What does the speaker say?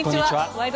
「ワイド！